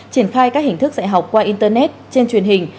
triển khai các hình thức dạy học qua internet trên truyền hình